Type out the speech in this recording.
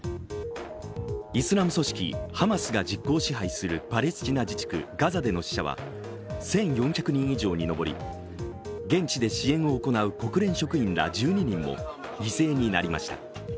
イスラム組織ハマスが実効支配するパレスチナ自治区ガザでの死者は１４００人以上に上り現地で支援を行う国連職員ら１２人も犠牲になりました。